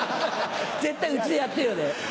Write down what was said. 絶対うちでやってるよね。